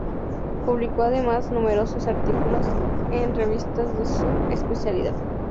Publicó además numerosos artículos en revistas de su especialidad.